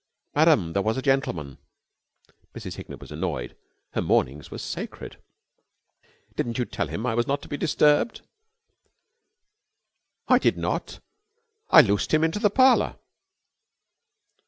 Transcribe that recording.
"Ma'am, there was a gentleman." Mrs. Hignett was annoyed. Her mornings were sacred. "Didn't you tell him I was not to be disturbed?" "I did not. I loosed him into the parlor."